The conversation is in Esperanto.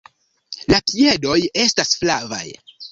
La piedoj estas flavaj.